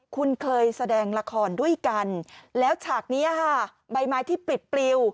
คุณเคยแสดงละครด้วยกันแล้วฉากนี้ค่ะใบไม้ที่ปลิดปลิว